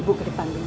ibu ke depan dulu ya